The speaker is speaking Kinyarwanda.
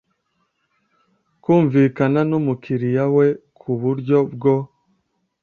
kumvikana n umukiriya we ku buryo bwo